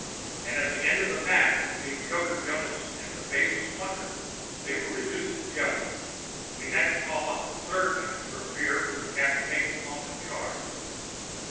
And at the end of the match between Choker Jonas and the Faceless Wonder, they were reduced to a jelly. We had to call off the third match for fear we would have to take them home in jars.